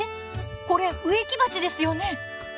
これ植木鉢ですよね？